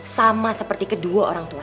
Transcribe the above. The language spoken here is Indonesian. sama seperti kedua orang tua